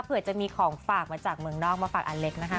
เผื่อจะมีของฝากมาจากเมืองนอกมาฝากอเล็กนะคะ